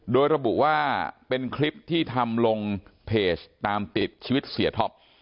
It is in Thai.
โดยระบุว่าเป็นคลิปที่ทำลงเพจตามติดชีวิตเสียท็อป